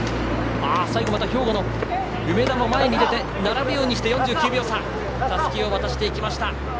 最後、また兵庫の梅田も前に出て並ぶようにしてたすきを渡していきました。